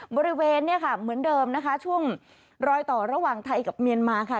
บริเวณเนี่ยค่ะเหมือนเดิมนะคะช่วงรอยต่อระหว่างไทยกับเมียนมาค่ะ